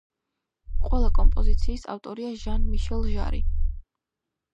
ყველა კომპოზიციის ავტორია ჟან-მიშელ ჟარი.